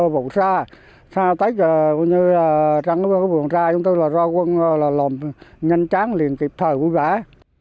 bộ xa xa tết trắng có buồn xa chúng tôi là do quân làm nhanh chán liền kịp thời vui vãi